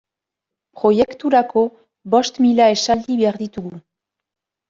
Proiekturako bost mila esaldi behar ditugu.